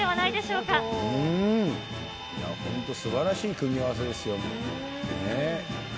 いやー、本当、すばらしい組み合わせですよ。